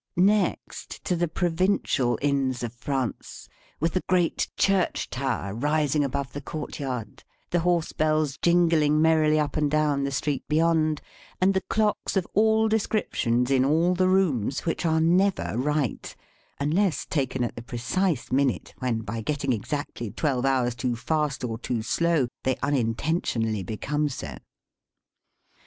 Next to the provincial Inns of France, with the great church tower rising above the courtyard, the horse bells jingling merrily up and down the street beyond, and the clocks of all descriptions in all the rooms, which are never right, unless taken at the precise minute when, by getting exactly twelve hours too fast or too slow, they unintentionally become so.